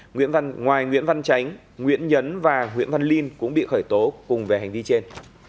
ngoài nguyễn văn chánh nguyễn nhấn và nguyễn văn linh cũng bị khởi tố cùng về hành vi trên